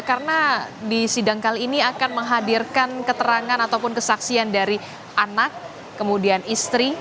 karena di sidang kali ini akan menghadirkan keterangan ataupun kesaksian dari anak kemudian istri